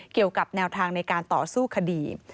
เกี่ยวกับแนวทางในการต่อสู้คดี